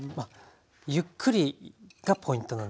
ゆっくりがポイントなんですね。